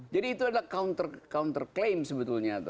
jadi itu adalah counter claim sebetulnya